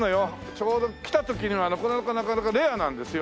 ちょうど来た時にはなかなかなかなかレアなんですよ。